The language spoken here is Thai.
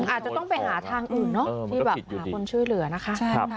อาจจะต้องไปหาทางอื่นเนอะที่แบบหาคนช่วยเหลือนะคะ